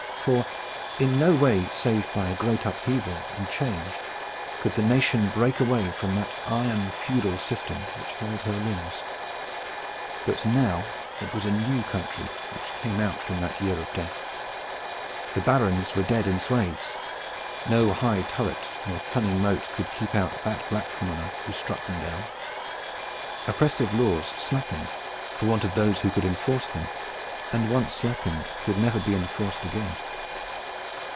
For in no way save by a great upheaval and change could the nation break away from that iron feudal system which held her limbs. But now it was a new country which came out from that year of death. The barons were dead in swaths. No high turret nor cunning moat could keep out that black commoner who struck them down. Oppressive laws slackened for want of those who could enforce them, and once slackened could never be enforced again.